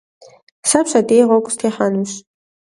Сэ пщэдей гъуэгу сытехьэнущ.